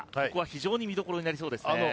ここは非常に見どころになりそうですね。